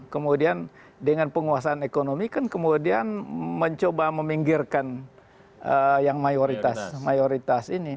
kemudian dengan penguasaan ekonomi kan kemudian mencoba meminggirkan yang mayoritas mayoritas ini